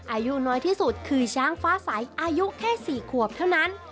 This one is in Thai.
อายุน้อยที่สุดคือช้างฟ้าใสอายุแค่๔ขวบเท่านั้น